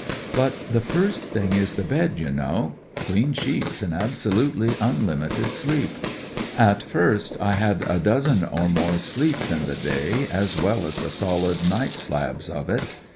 " But the first thing is the bed, you know 198 THE DIFFERENCE —clean sheets and absolutely unlimited sleep. At first I had a dozen or more sleeps in the day as well as the solid night slabs of it.